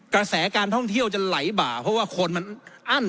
กระแสการท่องเที่ยวจะไหลบ่าเพราะว่าคนมันอั้น